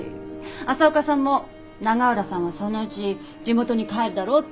朝岡さんも永浦さんはそのうち地元に帰るだろうって言ってたし。